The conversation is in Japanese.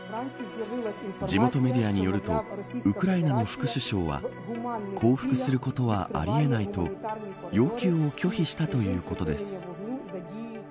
地元メディアによるとウクライナの副首相は降伏することはありえないと要求を拒否したということです。